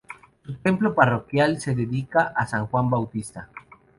Su templo parroquial se dedica a San Juan Bautista.